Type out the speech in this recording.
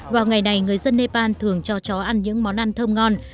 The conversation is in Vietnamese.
vào ngày này người dân nepal thường cho chó ăn những món ăn thơm ngon